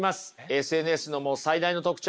ＳＮＳの持つ最大の特徴！